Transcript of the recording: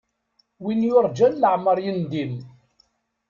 Win yurǧan leεmeṛ yendim.